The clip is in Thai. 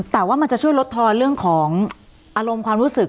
แต่ว่ามันจะช่วยลดทอนเรื่องของอารมณ์ความรู้สึก